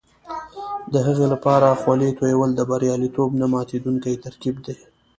د هغې لپاره خولې تویول د بریالیتوب نه ماتېدونکی ترکیب دی.